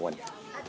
bà cốt cơ tu